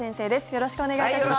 よろしくお願いします。